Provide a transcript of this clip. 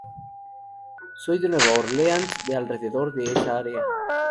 Soy de Nueva Orleans, de alrededor de esa área.